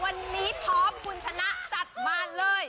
วันนี้พร้อมคุณชนะจัดมาเลย